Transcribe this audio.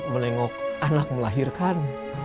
menengok anak melahirkan